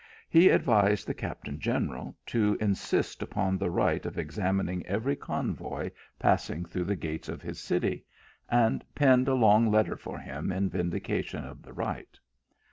He advised the captain general to insist upon the right of examining every convoy passing through the gates of his city, and he penned a long letter for him, in vindication of the right.